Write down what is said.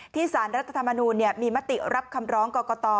สารรัฐธรรมนูลมีมติรับคำร้องกรกต